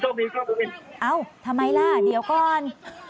โชคดีครับบุวินเอ้าทำไมล่ะเดี๋ยวก่อน